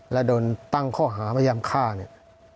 และโดนตั้งข้อหาพยายามฆ่าเนี่ย